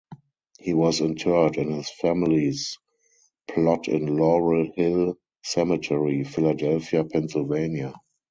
He was interred in his family's plot in Laurel Hill Cemetery, Philadelphia, Pennsylvania.